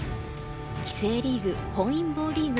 棋聖リーグ本因坊リーグ